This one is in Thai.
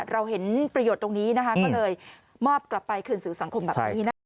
เราเห็นประโยชน์ตรงนี้นะคะก็เลยมอบกลับไปคืนสู่สังคมแบบนี้นะคะ